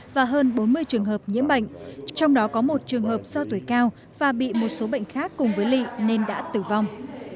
và hơn bốn mươi trường hợp nhiễm bệnh trong đó có một trường hợp do tuổi cao và bị một số bệnh khác cùng với lị nên đã tử vong